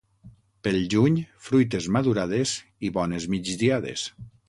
Pel juny, fruites madurades i bones migdiades.